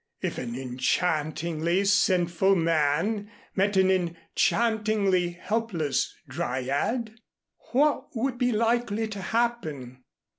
If an enchantingly sinful man met an enchantingly helpless Dryad what would be likely to happen?